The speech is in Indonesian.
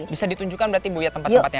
bisa ditunjukkan berarti bu ya tempat tempatnya